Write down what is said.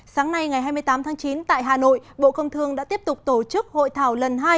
sáng nay ngày hai mươi tám tháng chín tại hà nội bộ công thương đã tiếp tục tổ chức hội thảo lần hai